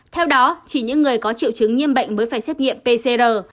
theo đó chỉ những người có triệu chứng nghiêm bệnh mới phải xét nghiệm pcr